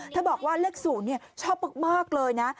เธอบอกว่าเลขศูนย์เนี่ยชอบมากเลยนะ